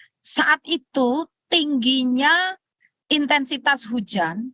karena saat itu tingginya intensitas hujan